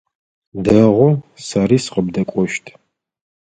Дэгъу, сэри сыкъыбдэкӏощт.